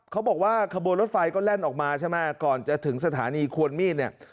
เขาบอกว่าขบวนรถไฟก็แล่นออกมาใช่ไหมก่อนจะถึงสถานีควรมีดเนี่ย